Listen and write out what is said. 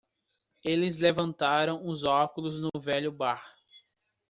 Eles levantaram os óculos no velho bar.